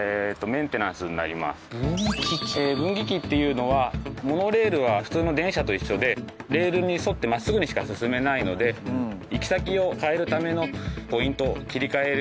分岐器っていうのはモノレールは普通の電車と一緒でレールに沿って真っすぐにしか進めないので行き先を変えるためのポイント切り替える場所になります。